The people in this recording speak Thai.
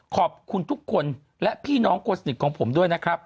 ขอบคุณทุกคนและพี่น้องคนสนิทของผมด้วยนะครับ